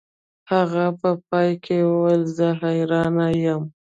هغه په پای کې وویل زه حیران یم